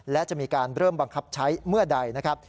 และจะมีการเริ่มบังคับใช้เมื่อใดนะครับ